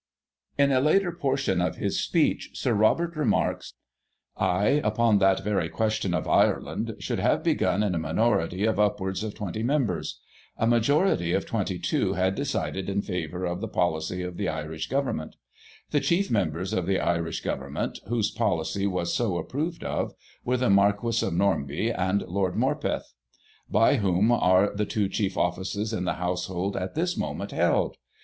In a later portion of his speech, Sir Robert remarks :" I, upon that very question of Ireland, should have begun in a minority of upwards of twenty members. A majority of twenty two had decided in favour of the policy of the Irish Government. The chief members of the Irish Govern ment, whose policy was so approved of, were the Marquis Digiti ized by Google 94 GOSSIP. [1839 of Normanby and Lord Morpeth. By whom are the two chief offices in the household at this moment held